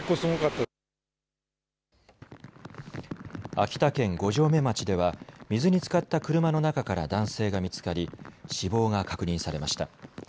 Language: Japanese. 秋田県五城目町では水につかった車の中から男性が見つかり死亡が確認されました。